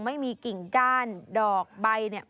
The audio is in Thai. ไม่มีกิ่งก้านดอกใบเนี่ย